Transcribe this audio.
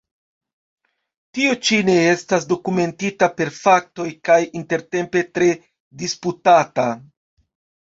Tio ĉi ne estas dokumentita per faktoj kaj intertempe tre disputata.